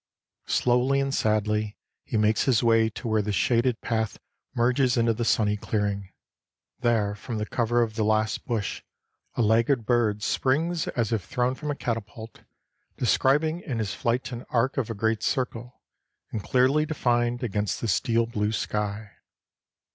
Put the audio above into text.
Slowly and sadly he makes his way to where the shaded path merges into the sunny clearing. There, from the cover of the last bush, a laggard bird springs as if thrown from a catapult, describing in his flight an arc of a great circle, and clearly defined against the steel blue sky.